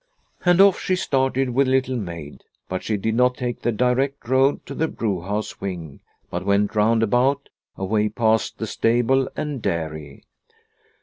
And off she started with Little Maid, but she did not take the direct road to the brewhouse wing, but went roundabout, away past the stable and dairy.